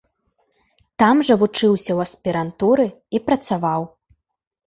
Там жа вучыўся ў аспірантуры і працаваў.